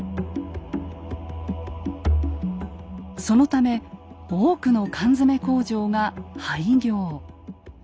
そのため多くの缶詰工場が廃業。